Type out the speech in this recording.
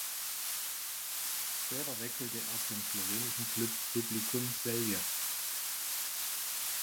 Später wechselte er zum slowenischen Klub Publikum Celje.